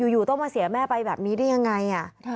อยู่ต้องมาเสียแม่ไปแบบนี้ได้ยังไง